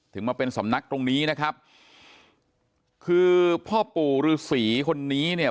ถึงมาเป็นสำนักตรงนี้นะครับคือพ่อปู่ฤษีคนนี้เนี่ย